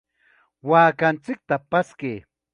¡Waakanchikta paskay!